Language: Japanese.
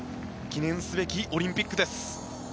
記念すべきオリンピックです。